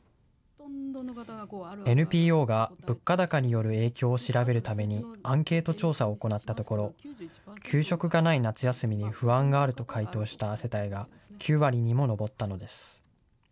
ＮＰＯが物価高による影響を調べるために、アンケート調査を行ったところ、給食がない夏休みに不安があると回答した世帯が９割にも上ったのです。